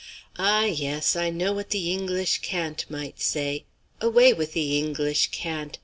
Ah, yes, I know what the English cant might say. Away with the English cant!